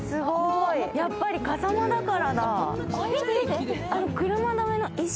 やっぱり笠間だからだ。